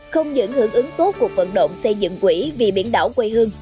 không những hưởng ứng tốt cuộc vận động xây dựng quỹ vì biển đảo quê hương